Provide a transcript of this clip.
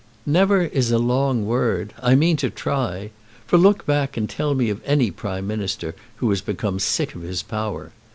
"Never is a long word. I mean to try. For look back and tell me of any Prime Minister who has become sick of his power.